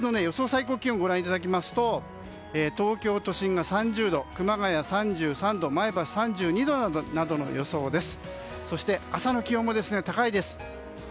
最高気温をご覧いただきますと東京都心が３０度熊谷３３度前橋３２度などの予想です。